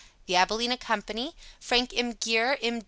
THE ABILENA COMPANY Frank M. Gier, M.